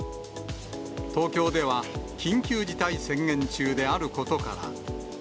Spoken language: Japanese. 東京では、緊急事態宣言中であることから。